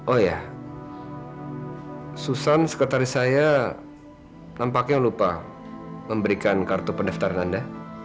oh ya susan sekretaris saya nampaknya lupa memberikan kartu pendaftaran anda